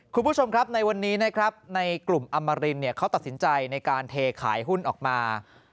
คุณผู้ชมครับในวันนี้นะครับในกลุ่มอมรินเขาตัดสินใจในการเทขายหุ้นออกมา